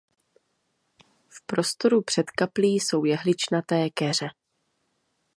V prostoru před kaplí jsou jehličnaté keře.